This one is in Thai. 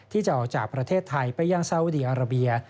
ที่จะออกจากประเทศไทยไปยังสาวดีอาราเบีย